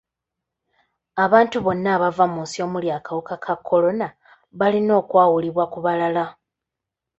Abantu bonna abava mu nsi omuli akawuka ka kolona balina okwawulibwa ku balala.